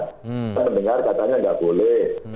saya mendengar katanya tidak boleh